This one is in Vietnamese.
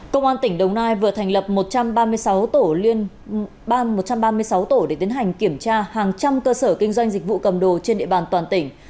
công an tỉnh đồng nai vừa thành lập một trăm ba mươi sáu tổ để tiến hành kiểm tra hàng trăm cơ sở kinh doanh dịch vụ cầm đồ trên địa bàn toàn tỉnh